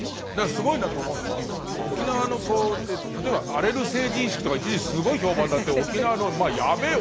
すごいなと思うのは沖縄の例えば荒れる成人式とか一時期すごい評判になって沖縄のやべー